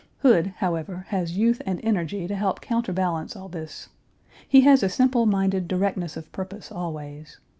Hood, however, has youth and energy to help counterbalance all this. He has a simple minded directness of purpose always.